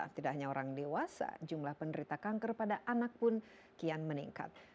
tidak hanya orang dewasa jumlah penderita kanker pada anak pun kian meningkat